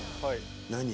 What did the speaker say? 何？